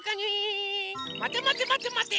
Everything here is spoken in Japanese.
まてまてまてまて。